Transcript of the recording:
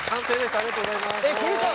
ありがとうございます。